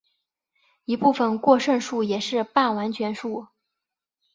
一部分过剩数也是半完全数。